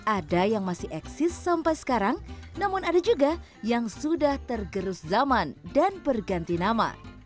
ada yang masih eksis sampai sekarang namun ada juga yang sudah tergerus zaman dan berganti nama